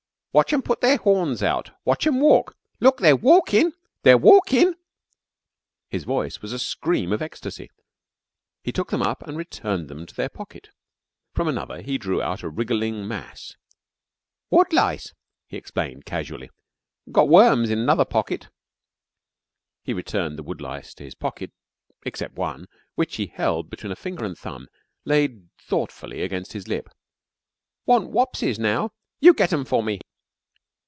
"Watch 'em put their horns out! Watch 'em walk. Look! They're walkin'. They're walkin'." His voice was a scream of ecstasy. He took them up and returned them to their pocket. From another he drew out a wriggling mass. "Wood lice!" he explained, casually. "Got worms in 'nother pocket." He returned the wood lice to his pocket except one, which he held between a finger and thumb laid thoughtfully against his lip. "Want wopses now. You get 'em for me."